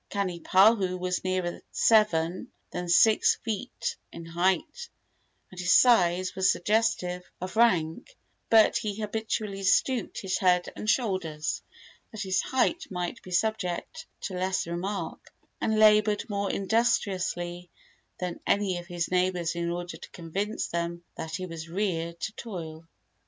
Kanipahu was nearer seven than six feet in height, and his size was suggestive of rank; but he habitually stooped his head and shoulders, that his height might be subject to less remark, and labored more industriously than any of his neighbors in order to convince them that he was reared to toil.